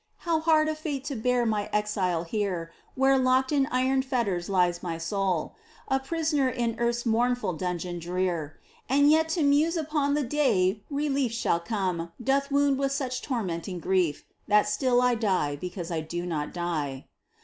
How hard a fate to bear my exile here Where locked in iron fetters lies my soul, A prisoner in earth's mournful dungeon drear ! And yet to muse upon the day relief Shall come, doth wound with such tormenting grief That still I die because I do not die.